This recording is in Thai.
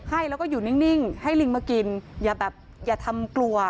ให้แล้วก็อยู่นิ่งให้ลิงมากินอย่าแบบอย่าทำกลัว